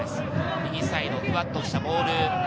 右サイド、ふわっとしたボール。